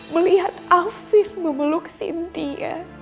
melihat afif memeluk sintia